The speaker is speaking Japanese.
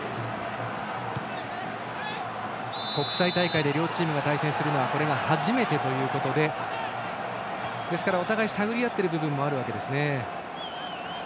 国際大会で両チームが対戦するのはこれが初めてということでお互いに探り合っている部分もあるわけですね。